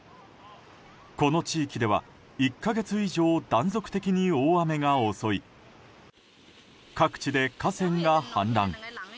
この地域では、１か月以上断続的に大雨が襲い各地で河川が氾濫。